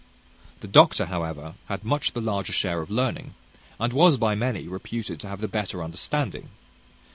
The doctor, however, had much the larger share of learning, and was by many reputed to have the better understanding.